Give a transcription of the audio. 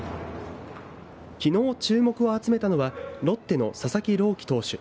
きのう注目を集めたのはロッテの佐々木朗希投手。